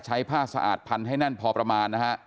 ใช้ผ้าสะอาดพันให้แน่นพอประมาณนะฮะ